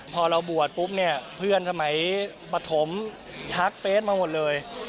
พอเราบวชปุ๊บเพื่อนสมัยประถมทักเฟซมาหมดเลย